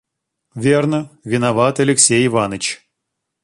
Верно, виноват Алексей Иваныч».